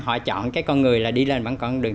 họ chọn cái con người là đi lên bằng con đường